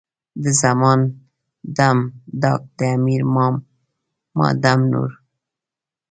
د زمان ډم، ډاګ، د امیر ما ډم نور.